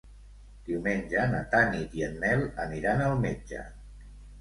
Diumenge na Tanit i en Nel aniran al metge.